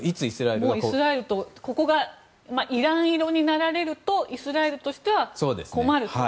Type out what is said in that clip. ここがイラン色になられるとイスラエルとしては困ると。